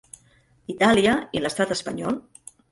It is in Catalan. Itàlia i l'Estat espanyol.